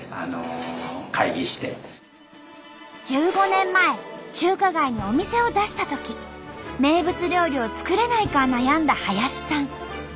１５年前中華街にお店を出したとき名物料理を作れないか悩んだ林さん。